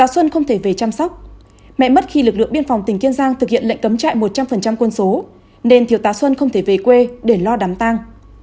sau đó mẹ mất khi lực lượng biên phòng tỉnh kiên giang thực hiện lệnh cấm trại một trăm linh quân số nên thiếu tá xuân không thể về quê để lo đám tang